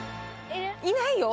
いないよ。